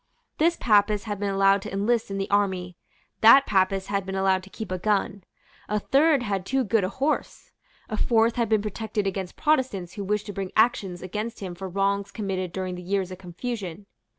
This Papist had been allowed to enlist in the army; that Papist had been allowed to keep a gun; a third had too good a horse; a fourth had been protected against Protestants who wished to bring actions against him for wrongs committed during the years of confusion.